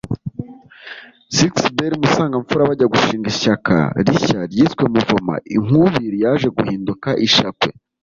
Sixbert Musangamfura bajya gushinga ishyaka rishya ryiswe mouvement inkubiri yaje guhinduka ishakwe